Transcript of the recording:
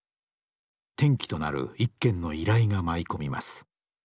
転機となる一件の依頼が舞い込みます。